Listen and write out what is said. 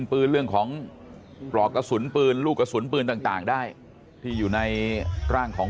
ปืนเรื่องของปลอกกระสุนปืนลูกกระสุนปืนต่างได้ที่อยู่ในร่างของ